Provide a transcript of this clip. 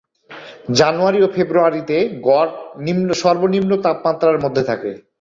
জানুয়ারি এবং ফেব্রুয়ারিতে গড় সর্বনিম্ন তাপমাত্রা এর মধ্যে থাকে।